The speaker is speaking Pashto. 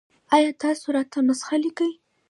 ایا تاسو راته نسخه لیکئ؟